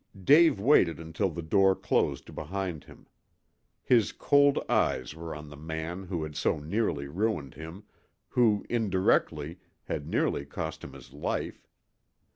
Dave waited until the door closed behind him. His cold eyes were on the man who had so nearly ruined him, who, indirectly, had nearly cost him his life.